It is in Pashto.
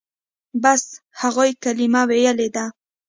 بس هغوى کلمه ويلې ده.